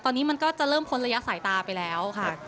ตอนนี้มันก็จะเริ่มพ้นระยะสายตาไปแล้วค่ะ